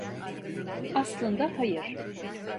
Aslında hayır.